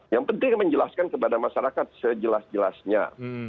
yang penting menjelaskan kepada masyarakat sejelas jelasnya